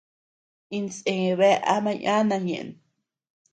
Insë bea ama yana ñeʼen.